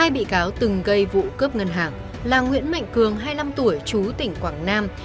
hai bị cáo từng gây vụ cướp ngân hàng là nguyễn mạnh cường hai mươi năm tuổi chú tỉnh quảng nam